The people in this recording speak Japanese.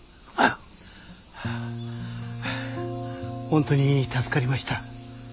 本当に助かりました。